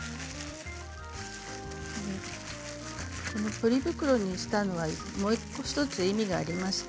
ポリ袋にしたのはもう１つ意味があります。